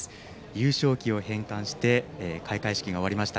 優勝旗を返還して開会式が終わりました。